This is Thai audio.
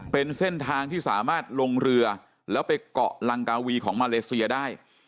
เป็นเส้นทางที่สามารถลงเรือแล้วไปเกาะลังกาวีของมาเลเซียได้